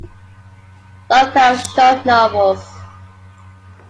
Lovecraft's short novels.